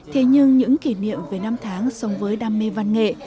thế nhưng những kỷ niệm về năm tháng sống với đam mê văn nghệ